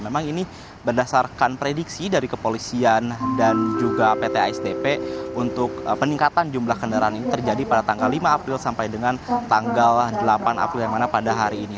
memang ini berdasarkan prediksi dari kepolisian dan juga pt asdp untuk peningkatan jumlah kendaraan ini terjadi pada tanggal lima april sampai dengan tanggal delapan april yang mana pada hari ini